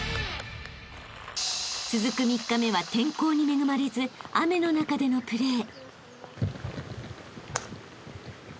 ［続く３日目は天候に恵まれず雨の中でのプレー］